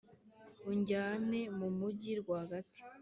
unjyane mu mujyi rwagati.